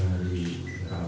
hari rabu pagi akad